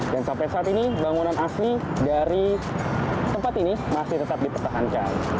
dan sampai saat ini bangunan asli dari tempat ini masih tetap dipertahankan